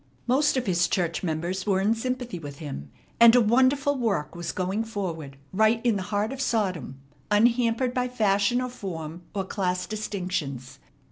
Most of his church members were in sympathy with him, and a wonderful work was going forward right in the heart of Sodom, unhampered by fashion or form or class distinctions.